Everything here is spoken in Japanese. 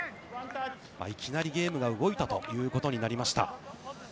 いきなりゲームを動いたということになりました。